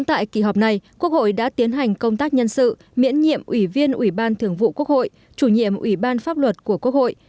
tại kỳ họp này quốc hội đã tiến hành công tác nhân sự miễn nhiệm ủy viên ủy ban thường vụ quốc hội chủ nhiệm ủy ban pháp luật của quốc hội